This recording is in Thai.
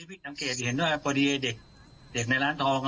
พี่สังเกตเห็นด้วยพอดีเด็กในร้านทอง